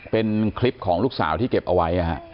เป็นคลิปของลูกสาวที่เก็บเอาไว้